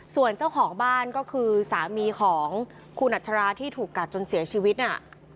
ส่วนเจ้าของบ้านก็คือสามีของคุณอัชราที่ถูกกัดจนเสียชีวิตน่ะ